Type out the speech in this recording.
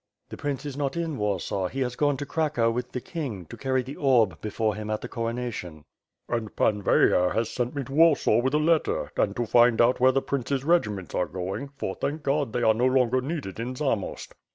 "The prince is not in Warsaw, he has gone to Cracow with the king, to carry the orb before him at the coronation." "And Pan Veyher has sent me to Warsaw with a letter, and to find out where the prince's regiments are going; for, thank God, they are no longer needed in Zamost."